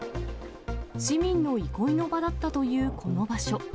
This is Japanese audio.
市民の憩いの場だったというこの場所。